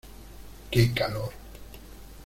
Qué calor.